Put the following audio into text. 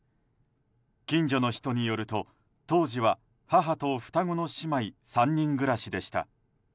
近所の人によると当時は母と双子の姉妹３人暮らしでした。